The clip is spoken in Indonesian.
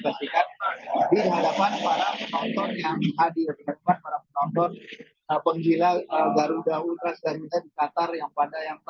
pastikan lebih dihadapan para penonton yang hadir